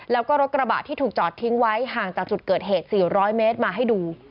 แล้วก็รถกระบะที่ถูกจอดทิ้งไว้ห่างจากจุดเกิดเหตุ๔๐๐เมตรมาให้ดู